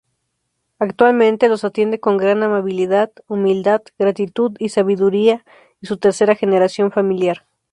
Actualmente los atiende con gran amabilidad, humildad, gratitud y sabiduría su tercera generación familiar.